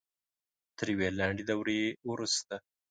تر یوې لنډې دورې وروسته